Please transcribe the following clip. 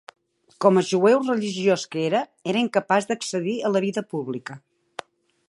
Com a jueu religiós que era, era incapaç d'accedir a la vida pública.